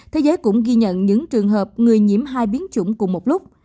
thế giới cũng ghi nhận những trường hợp người nhiễm hai biến chủng cùng một lúc